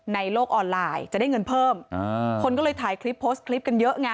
ในโลกออนไลน์จะได้เงินเพิ่มอ่าคนก็เลยถ่ายคลิปโพสต์คลิปกันเยอะไง